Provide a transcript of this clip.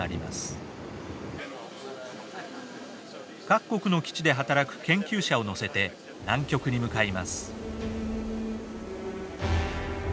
各国の基地で働く研究者を乗せて南極に向かいます。